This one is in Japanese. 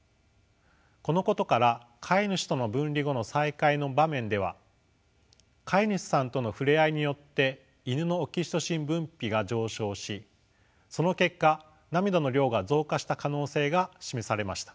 このことから飼い主との分離後の再会の場面では飼い主さんとの触れ合いによってイヌのオキシトシン分泌が上昇しその結果涙の量が増加した可能性が示されました。